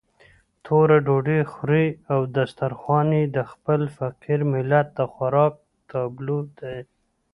توره ډوډۍ خوري او دسترخوان يې د خپل فقير ملت د خوراک تابلو ده.